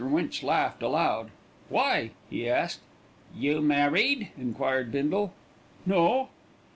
Winch laughed aloud. "Why?" he asked. "You married?" enquired Bindle. "No."